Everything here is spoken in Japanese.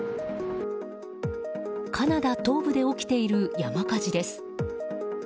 カナダ東部で起きている山火事です。